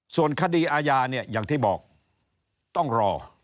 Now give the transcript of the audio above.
ส่วนคดีอาญาเนี่ยอย่างที่บอกต้องรอ